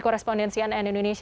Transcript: korespondensi ann indonesia